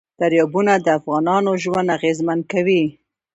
دریابونه د افغانانو ژوند اغېزمن کوي.